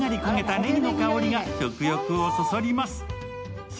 ねぎの香りが食欲をそそります。